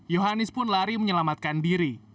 yohanis pun lari menyelamatkan diri